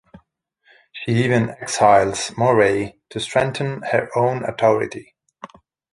She even exiles Moray to strengthen her own authority.